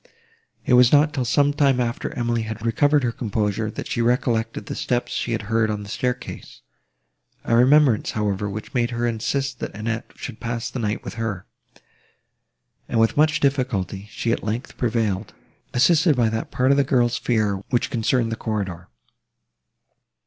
It was not till some time after Emily had recovered her composure, that she recollected the steps she had heard on the staircase—a remembrance, however, which made her insist that Annette should pass the night with her, and, with much difficulty, she, at length, prevailed, assisted by that part of the girl's fear, which concerned the corridor.